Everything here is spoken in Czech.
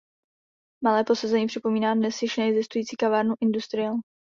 Malé posezení připomíná dnes již neexistující kavárnu Industrial.